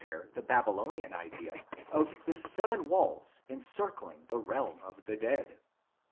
the Baby lonian idea of the seven walls encircling the realm of the dead).